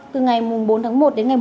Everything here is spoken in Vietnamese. từ ngày bốn một đến ngày chín một